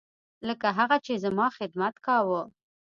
لکه هغه چې زما خدمت کاوه.